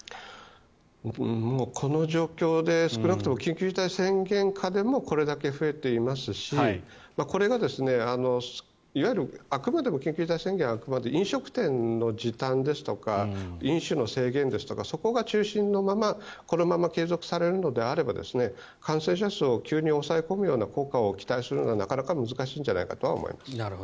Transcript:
もうこの状況で少なくとも緊急事態宣言下でもこれだけ増えていますしこれが、いわゆる緊急事態宣言はあくまで飲食店の時短ですとか飲酒の制限ですとかそこが中心のままこのまま継続されるのであれば感染者数を急に抑え込むような効果を期待するのはなかなか難しいんじゃないかとは思います。